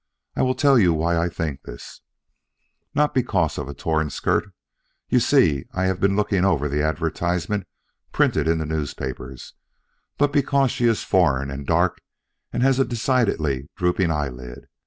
I will tell you why I think this: Not because of a torn skirt, you see I have been looking over the advertisement printed in the papers, but because she is foreign and dark and has a decidedly drooping eyelid.